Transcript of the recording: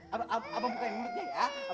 abang bukain mulutnya ya